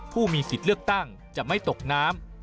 ผู้มีสิทธิ์เลือกตั้งจะไม่ตกน้ำ